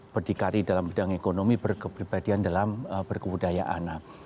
berdikari dalam bidang ekonomi berkepribadian dalam berkebudayaan